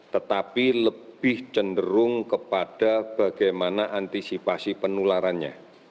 tetapi lebih cenderung kepada bagaimana antisipasi penularannya